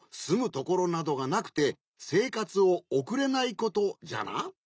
すむところなどがなくてせいかつをおくれないことじゃな。